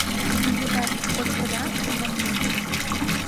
«Миедат — кочкыда» манмем?